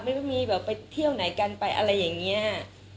ไม่รู้มีแบบไปเที่ยวไหนกันไปอะไรอย่างนี้